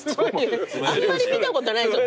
あんまり見たことないですよ